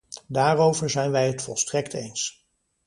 Daarover zijn wij het volstrekt eens.